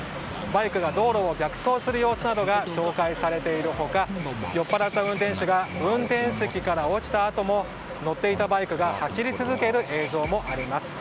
バイクが道路を逆走する様子などが紹介されている他酔っぱらった運転手が運転席から落ちたあとも乗っていたバイクが走り続ける映像もあります。